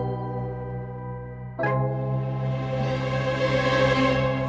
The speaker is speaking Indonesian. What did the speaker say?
ambo di depan rumahnya